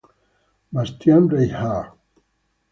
Bastian Reinhardt